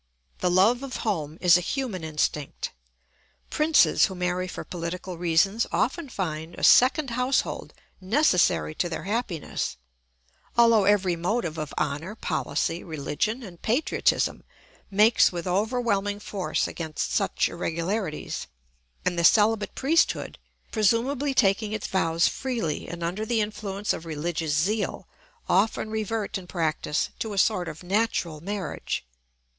The love of home is a human instinct. Princes who marry for political reasons often find a second household necessary to their happiness, although every motive of honour, policy, religion, and patriotism makes with overwhelming force against such irregularities; and the celibate priesthood, presumably taking its vows freely and under the influence of religious zeal, often revert in practice to a sort of natural marriage.